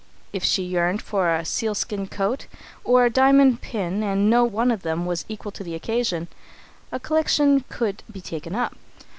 If she yearned for a sealskin coat or a diamond pin and no one of them was equal to the occasion, a collection could be taken up.